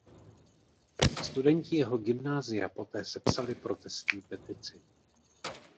Studenti jeho gymnázia poté sepsali protestní petici.